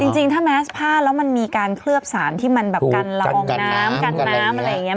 จริงถ้าแมสผ้าแล้วมันมีการเคลือบสารที่มันแบบกันละอองน้ำกันน้ำอะไรอย่างนี้